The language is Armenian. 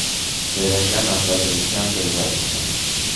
Սերիական արտադրության դրված չէ։